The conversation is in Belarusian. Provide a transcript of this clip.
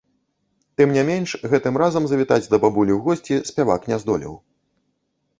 Тым не менш, гэтым разам завітаць да бабулі ў госці спявак не здолеў.